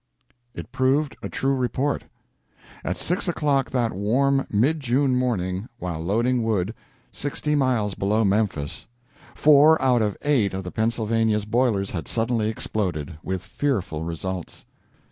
It proved a true report. At six o'clock that warm mid June morning, while loading wood, sixty miles below Memphis, four out of eight of the Pennsylvania's boilers had suddenly exploded, with fearful results.